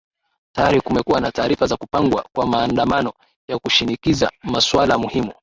tayari kumekuwa na taarifa za kupangwa kwa maandamano ya kishinikiza masuala muhimu